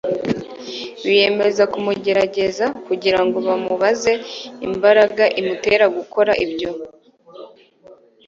Biyemeza kumugerageza kugira ngo bamubaze imbaraga imutera gukora ibyo.